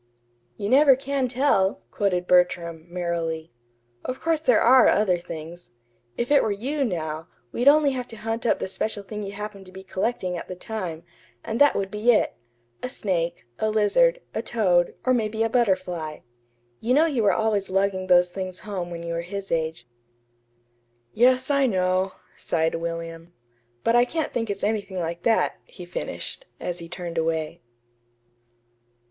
"'You never can tell,'" quoted Bertram, merrily. "Of course there ARE other things. If it were you, now, we'd only have to hunt up the special thing you happened to be collecting at the time, and that would be it: a snake, a lizard, a toad, or maybe a butterfly. You know you were always lugging those things home when you were his age." "Yes, I know," sighed William. "But I can't think it's anything like that," he finished, as he turned away.